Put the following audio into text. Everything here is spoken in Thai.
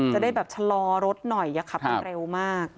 จะได้แบบชะลอรถหน่อยอย่าขับกันเร็วมาก